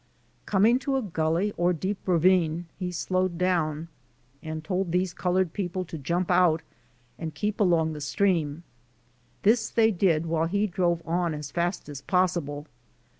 "Coming to a gully or deep ravine he slowed down and told these colored people to jump out, and keep along the stream. This they did while he drove on as fast as possible.